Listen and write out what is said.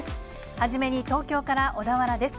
初めに東京から小田原です。